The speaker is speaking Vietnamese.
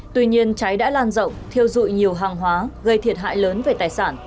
tuy nhiên cháy đã lan rộng thiêu dụi nhiều hàng hóa gây thiệt hại lớn về tài sản